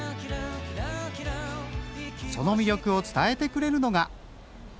その魅力を伝えてくれるのが。